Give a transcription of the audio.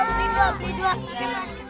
beli dua beli dua